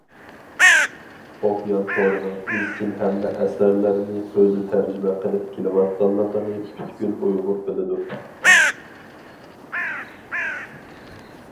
ئوكيان تورىنىڭ ئىزچىل ھەممە ئەسەرلەرنى ئۆزى تەرجىمە قىلىپ كېلىۋاتقانلىقىنى پۈتكۈل ئۇيغۇر بىلىدۇ.